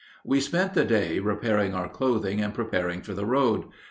We spent the day repairing our clothing and preparing for the road.